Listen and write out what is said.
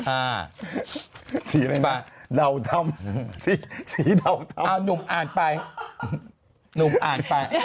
อ่าสีอะไรน่ะดาวดำสีสีดาวดำอ่าหนุ่มอ่านไปหนุ่มอ่านไป